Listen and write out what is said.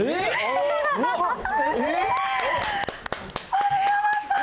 丸山さん！